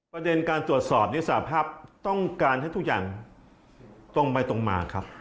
ประเด็นการตรวจสอบนิสาภาพต้องการให้ทุกอย่างตรงไปตรงมาครับ